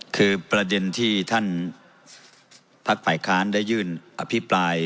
คือประเด็นที่ท่านพักฝ่ายค้านได้ยื่นอภิปราย